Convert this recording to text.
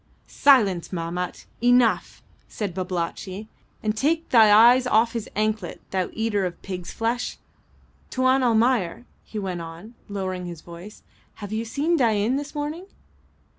'" "Silence, Mahmat; enough!" said Babalatchi, "and take thy eyes off his anklet, thou eater of pigs flesh. Tuan Almayer," he went on, lowering his voice, "have you seen Dain this morning?"